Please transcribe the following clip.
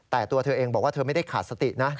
แต่ตัวเธอเองบอกว่าเธอไม่ได้ขาดสตินะ